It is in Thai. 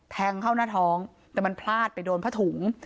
แทงเข้าหน้าท้องแต่มันพลาดไปโดนผ้าถุง